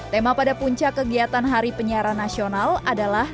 tema pada puncak kegiatan hari penyiaran nasional adalah